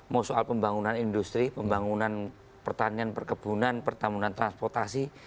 mau soal pembangunan industri pembangunan pertanian perkebunan pertambunan transportasi